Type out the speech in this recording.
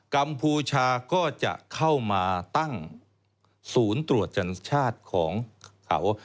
กัมพูชาก็จะเข้ามาตั้งศูนย์ตรวจจันชาติของเขา